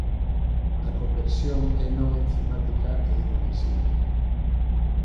A conversión é non encimática e irreversible.